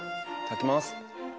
頂きます。